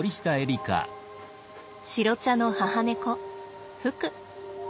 白茶の母猫ふく。